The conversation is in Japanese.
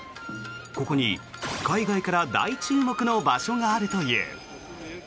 ここに海外から大注目の場所があるという。